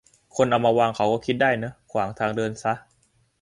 คนเอามาวางเขาก็คิดได้เนอะ ขวางทางเดินซะ